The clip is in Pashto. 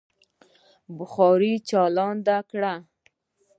بخارۍ چالانده کړه.